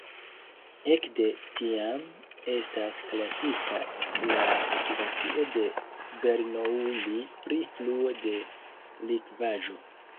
Ekde tiam estas klasika la ekvacio de Bernoulli pri fluo de likvaĵo.